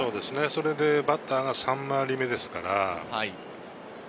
そしてバッターが３回り目ですから。